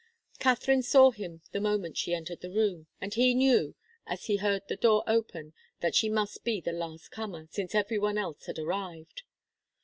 Katharine saw him the moment she entered the room, and he knew, as he heard the door opened, that she must be the last comer, since every one else had arrived.